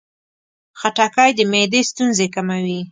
خټکی د معدې ستونزې کموي.